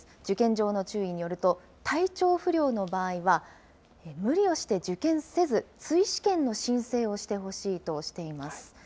受験上の注意によると、体調不良の場合は、無理をして受験せず、追試験の申請をしてほしいとしています。